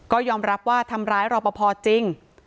ก็ยอมรับว่าทำร้ายรอปภจริง